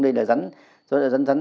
đây là rắn